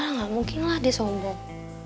gak mungkin lah dia sombong